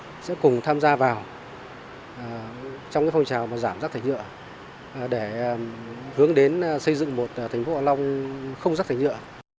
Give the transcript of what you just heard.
tất cả mọi người dân sẽ cùng tham gia vào trong phong trào giảm rác thải nhựa để hướng đến xây dựng một thành phố hạ long không rác thải nhựa